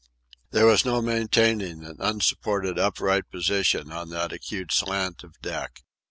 There was no maintaining an unsupported upright position on that acute slant of deck.